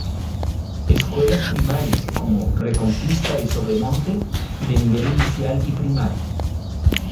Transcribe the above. Escuelas primarias como Reconquista y Sobremonte de nivel inicial y primario.